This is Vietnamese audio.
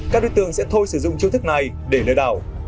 các đối tượng sẽ thôi sử dụng chiếu thức này để lời đảo